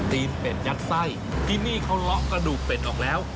เป็ดยัดไส้ที่นี่เขาเลาะกระดูกเป็ดออกแล้ว